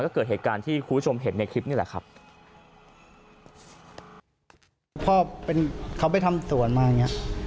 พ่อเข้าไปทำสวนมาอย่างเนี่ย